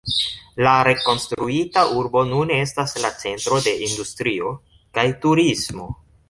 La rekonstruita urbo nun estas la centro de industrio kaj turismo.